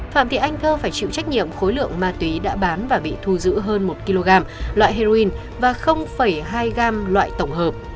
phạm thị anh thơ phải chịu trách nhiệm khối lượng ma túy đã bán và bị thu giữ hơn một kg loại heroin và hai gram loại tổng hợp